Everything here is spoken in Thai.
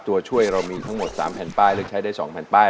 ตัวช่วยเรามีทั้งหมด๓แผ่นป้ายเลือกใช้ได้๒แผ่นป้าย